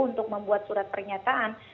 untuk membuat surat pernyataan